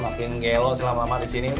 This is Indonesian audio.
makin gelo selama lama disini